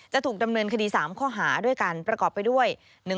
จะถูกดำเนินคดี๓ข้อหาด้วยกันประกอบไปด้วย